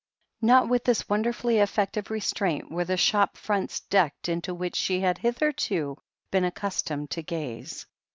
Not with this wonderfully effective restraint were the shop fronts decked into which she had hitherto been accustomed to gaze.